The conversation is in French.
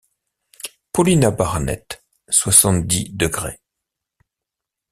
Paulina Barnett, soixante-dix degrés